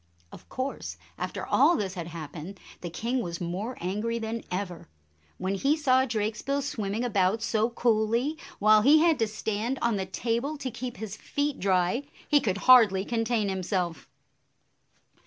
Of course, after all this had happened, the king was more angry than ever. When he saw Drakesbill swimming about so coolly, while he had to stand on the table to keep his feet dry, he could hardly contain himself.